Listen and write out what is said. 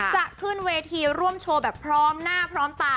จะขึ้นเวทีร่วมโชว์แบบพร้อมหน้าพร้อมตา